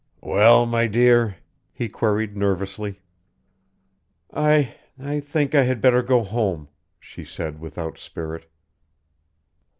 "Well, my dear?" he queried nervously. "I I think I had better go home," she said without spirit.